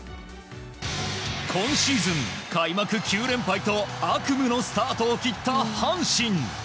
今シーズン、開幕９連敗と悪夢のスタートを切った阪神。